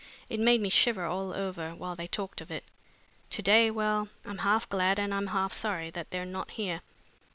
It made me shiver all over while they talked of it. To day, well, I'm half glad and I'm half sorry that they're not here.